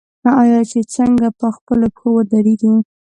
آیا چې څنګه په خپلو پښو ودریږو؟